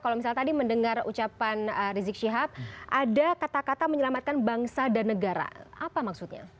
kalau misalnya tadi mendengar ucapan rizik syihab ada kata kata menyelamatkan bangsa dan negara apa maksudnya